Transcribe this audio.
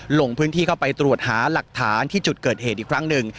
ลงพื้นที่เข้าไปตรวจหาหลักฐานที่จุดเกิดเหตุอีกครั้งหนึ่ง